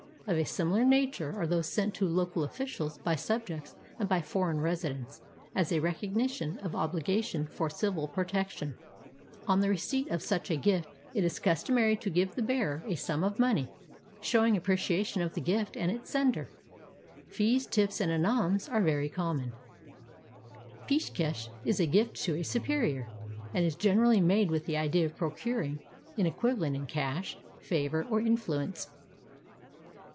Of a similar nature are those sent to local officials by subjects and by foreign residents, as a recognition of obligation for civil protection. On the 443 PERSIA receipt of such a gift it is customary to give the bearer a sum of money, showing appreciation of the gift and its sender. Fees, tips, and anams are very common. Peeshkesh is a gift to a superior, and is generally made with the idea of procuring an equivalent in cash, favor, or influence.